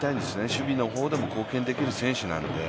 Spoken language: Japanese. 守備の方でも貢献できる選手なんで。